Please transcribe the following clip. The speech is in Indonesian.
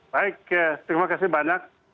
baik terima kasih banyak